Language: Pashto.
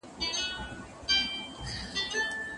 نو ذهن یې پراخېږي.